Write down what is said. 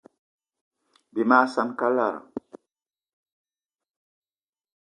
Bí mag saan kalara.